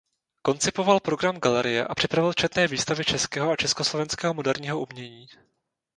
Koncipoval program galerie a připravil četné výstavy českého a československého moderního umění.